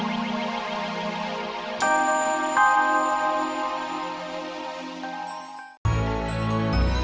aku berhak melarang kamu